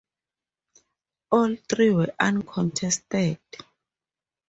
All three were uncontested.